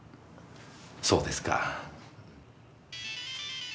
そうですか。